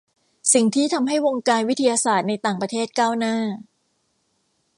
สิ่งที่ทำให้วงการวิทยาศาสตร์ในต่างประเทศก้าวหน้า